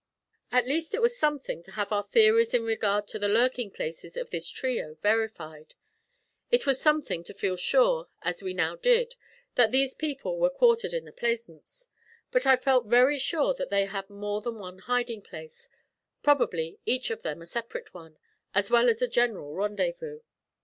At least it was something to have our theories in regard to the lurking places of this trio verified. It was something to feel sure, as we now did, that these people were quartered in the Plaisance; but I felt very sure that they had more than one hiding place, probably each of them a separate one, as well as a general rendezvous.